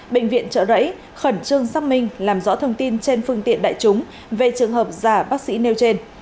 bệnh viện trợ rẫy khẩn trương xác minh làm rõ thông tin trên phương tiện đại chúng về trường hợp giả bác sĩ nêu trên